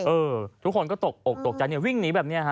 เออทุกคนก็ตกออกตกใจวิ่งหนีแบบเนี่ยฮะ